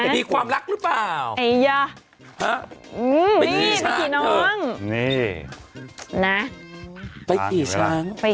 มีความรักหรือเปล่าน่า